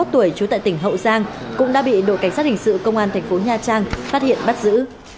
ba mươi một tuổi chú tại tỉnh hậu giang cũng đã bị đội cảnh sát hình sự công an tp nha trang phát hiện bắt giữ